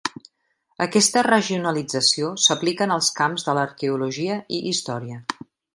Aquesta regionalització s'aplica en els camps de l'arqueologia i història.